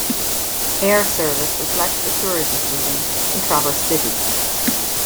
Air service reflects the tourism season in Traverse City.